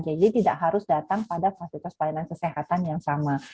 jadi tidak harus datang pada fasilitas pelayanan kesehatan yang sama